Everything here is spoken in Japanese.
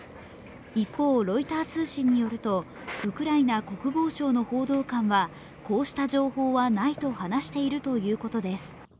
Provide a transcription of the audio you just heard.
一方、ロイター通信によるとウクライナ国防省の報道官はこうした情報はないと話しているということです。